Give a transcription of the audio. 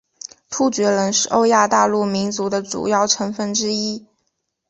突厥人是欧亚大陆民族的主要成份之一。